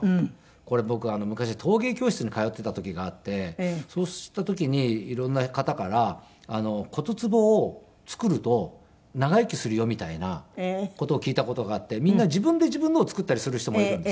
これ僕昔陶芸教室に通っていた時があってそうした時に色んな方から骨つぼを作ると長生きするよみたいな事を聞いた事があってみんな自分で自分のを作ったりする人もいるんですよ。